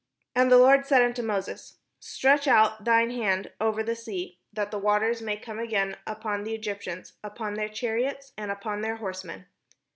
And the Lord said unto Moses: " Stretch out thine hand over the sea, that the waters may come again upon the Egyptians, upon their chariots, and upon their horsemen."